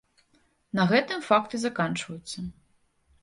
На гэтым факты заканчваюцца.